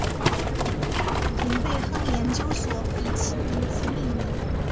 廷贝亨研究所以其名字命名。